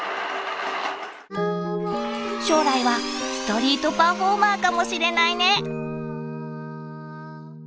将来はストリートパフォーマーかもしれないね！